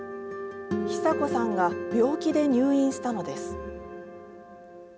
久子さんが病気で入院したのです。